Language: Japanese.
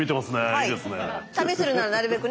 いいですね。